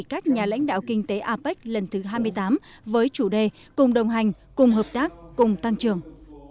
các nhà lãnh đạo kinh tế apec lần thứ hai mươi tám với chủ đề cùng đồng hành cùng hợp tác cùng tăng trưởng